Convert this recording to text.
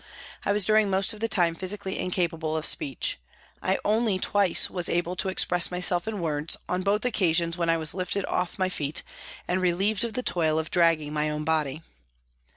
I was during most of the time physically incapable of speech. I only twice was able to express myself in words, on both occasions when I was lifted off my feet and relieved of the toil of dragging my own body.